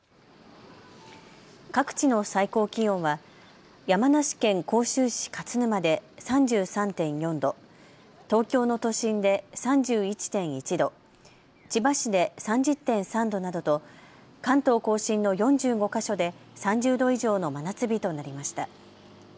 各地の最高気温は山梨県甲州市勝沼で３３．４度、東京の都心で３１．１度、千葉市で３０．３度などと関東甲信の４５か所で３０度以上の真夏日となりました。